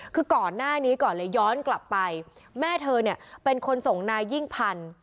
คือก่อนหน้านี้ก่อนเลยย้อนกลับไปแม่เธอเนี่ยเป็นคนส่งนายยิ่งพันธุ์